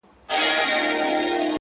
د ایپي د مورچلونو وخت به بیا سي،